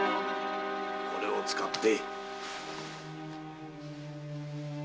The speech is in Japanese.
これを使って。